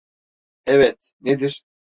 Evet, nedir?